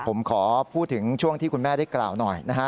ผมขอพูดถึงช่วงที่คุณแม่ได้กล่าวหน่อยนะฮะ